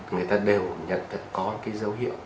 người ta đều nhận được có cái dấu hiệu